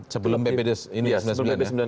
sebelum ppd ini ya sembilan puluh sembilan ya